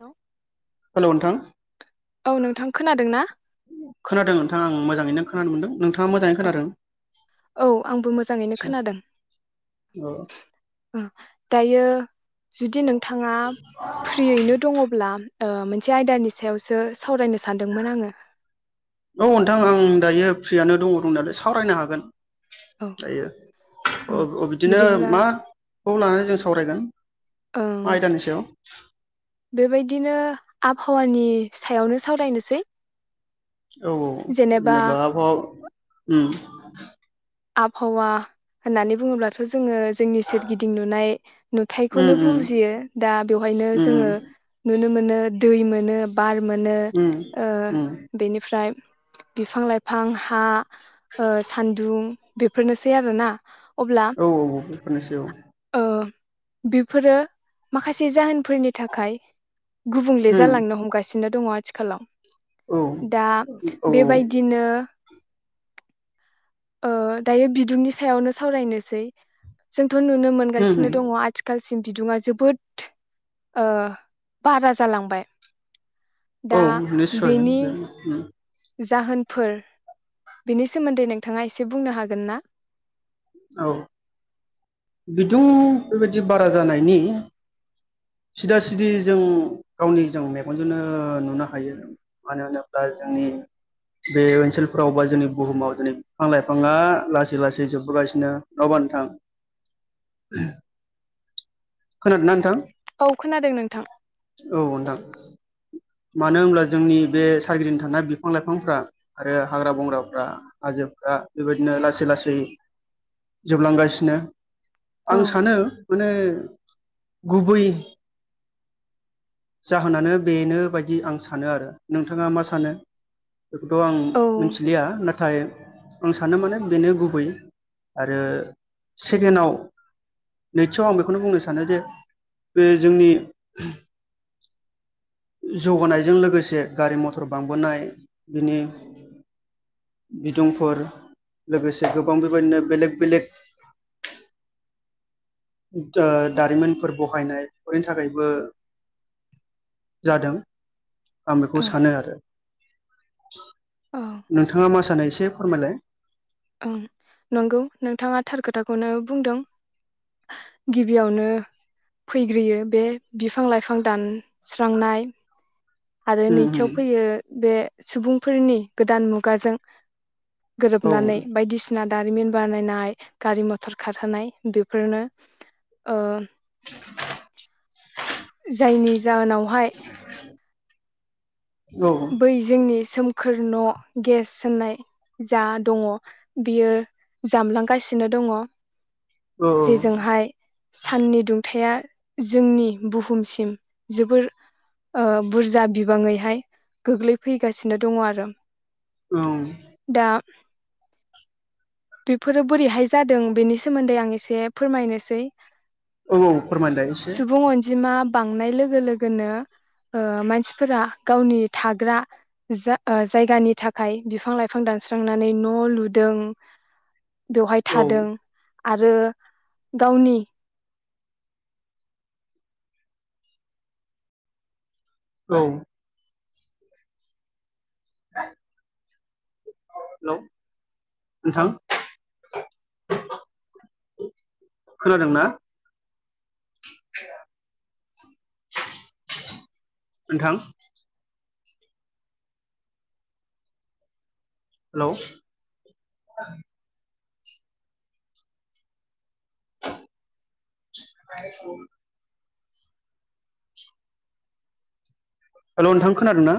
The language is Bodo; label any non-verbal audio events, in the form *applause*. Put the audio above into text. हेलौ हेलौ नोंथां। औ नोंथां खोनादों ना? *unintelligible* मोजाङैनो खोनानो मोनदों *unintelligible* अ खोनादों औ आंबो मोजाङैनो आदसा खोनादों। औ ओम दायो जुदि नोंथाङा फ्रियैनो दङब्ला ओ मोनसे आयदानि सायावसो सावरायनो सानदोंमोन आङो औ नोंथां आं दायो फ्रियानो दङ दंनालाय सावरायनो हागोन। औ जायो ओं ओ ओ बिदिनो बिदिब्ला माखौ लानानै जों सावरायगोन। मा ओं आयदानि सायाव बेबायदिनो आबहावानि सायावनो सावरायनोसै औ औ जेनेबा ह ओम। *inaudible* आबहावा होननानै बुङोब्लाथ'। जोङो जोंनि सोरगिदिं नुनाय उम नुथायखौनो उम बुजियो। दा बेवहायनो उम जोङो नुनो मोनो दै मोनो बार मोनो उम ओ उम बेनिफ्राय बिफां-लाइफां, हा ओ सान्दुं बेफोरनोसै आरोना। अब्ला औ औ औ बेफोरनोसै औ ओ बेफोरो माखासे जाहोनफोरनि थाखाय गुबुंले उम जालांनो हमगासि नो दङ आथिखालाव। औ दा औ बेबायदिनो ओ दायो बिदुंनि सायावनो सावरायनोसै जों थ' नुनो औ उम मोनगासिनो दङ आथिखाल सिम बिदुुङा जोबोद ओ बारा जालांबाय। औ निस्सय ओम ओम। जाहोन। फोर बिनि सोमोन्दै नोंथाङा एसे बुंनो हागोन ना? औ बिदुं बेबायदि बारा जानायनि सिदा सिदि जों गावनि जों मेगनजोंनो नुनो हायो मानो होनोब्ला जोंनि बे ओनसोलफ्राव बा जोंनि बुहुमाव दिनै बिफां लाइफाङा लासै लासै जोबबोगासिनो। नङाबानोथां खोनादोंना नोंथां? औ खोनादों नोंथां। औ नोंथां मानो होनब्ला जोंनि बे सारगिदिं थानाय बिफां-लाइफांफ्रा आरो हाग्रा बंग्राफ्रा हाजोफ्रा बेबायदिनो लासै लासै जोबलांगासिनो। औ आं सानो माने गुबै जाहोनानो बेनो बायदि आं सानो आरो नोंथाङा मा सानो? बेखौथ' आं औ मिनथिलिया नाथाय आं सानो माने बेनो गुबै आरो सेकेणडआव नैथिआव आं बेखौनो बुंनो सानो जे बे जोंनि जौगानायजों लोगोसे गारि मथर बांबोनाय बिनि बिदुंफोर लोगोसे गोबां बेबायदिनो बेलेक बेलेख दा-दारिमिनफोर बहायनाय बेफोरनि थाखायबो जादों। आं औ बेखौ सानो आरो औ *inaudible* नोंथाङा मा सानै एसे फोरमायलाय ओं नंगौ नोंथाङा थार खोथाखौनो बुंदों गिबियावनो फैग्रोयो बे बिफां लाइफां दानस्रांनाय आरो उम नैथियाव फैयो बे सुबुंफोरनि गोदान मुगाजों उम औ गोरोबनानै बायदिसिना दारिमिन बानायनाय गारि मथर खारहोनाय बेफोरनो ओ *inaudible* जायनि जाहोनावहाय औ बै जोंनि सोमखोर न' गेस होननाय जा दङ बियो जामलांगासिनो दङ। औ जेजोंहाय साननि दुंथाया जोंनि बुहुमसिम जोबोर ओ बुरजा बिबाङैहाय गोग्लैफैगासिनो दङ आरो औ दा बेफोरो बोरैहाय जादों बेनि सोमोन्दै आं एसे फोरमायनोसै औ औ फोरमायलाय एसे जिमा बांनाय लोगो लोगोनो ओ मानसिफोरा गावनि थाग्रा जा-जायगानि थाखाय बिफां-लाइफां दानस्रांनानै न' लुदों। बेवहाय औ थादों। आरो गावनि औ हेल' नोंथां खोनादों ना? नोंथां। हेलौ, *inaudible* हेलौ, नोंथां खोनादों ना?